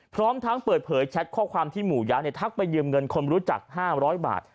พร้อมทั้งเปิดเผยแชทข้อความที่หมู่ย้าทักไปยืมเงินคนรู้จัก๕๐๐บาท